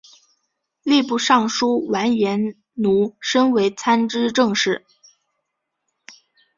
吏部尚书完颜奴申为参知政事。